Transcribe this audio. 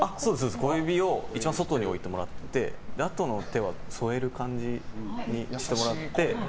小指を一番外に置いてもらってあとの手は添える感じにしてもらって。